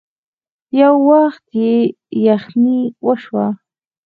يو وخت يې يخنې وشوه.